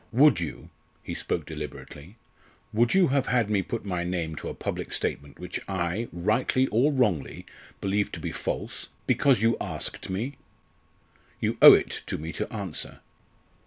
Would you," he spoke deliberately, "would you have had me put my name to a public statement which I, rightly or wrongly, believed to be false, because you asked me? You owe it to me to answer."